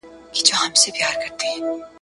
مات به د پانوس کړو نامحرمه دوږخي سکوت ,